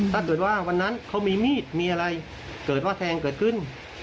ถ้าเกิดว่าวันนั้นเขามีมีดมีอะไรเกิดว่าแทงเกิดขึ้น